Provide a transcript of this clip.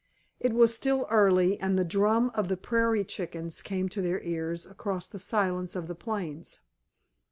It was still early, and the drum of the prairie chickens came to their ears across the silence of the plains.